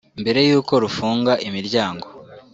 Mbere y’uko rufunga imiryango